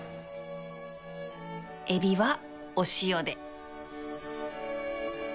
エビはお塩で